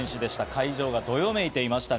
会場がどよめいていました。